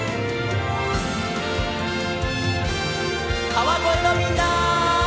川越のみんな！